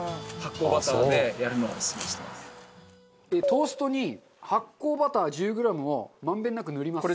トーストに発酵バター１０グラムを満遍なく塗ります。